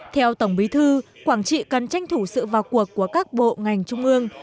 theo tổng bí thư quảng trị cần tranh thủ sự vào cuộc của các bộ ngành trung ương